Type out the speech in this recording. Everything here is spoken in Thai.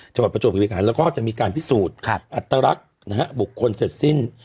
จับประจวบกิจการแล้วก็จะมีการพิสูจน์ครับอัตรรักนะฮะบุคคลเสร็จสิ้น